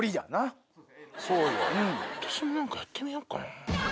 私も何かやってみようかな。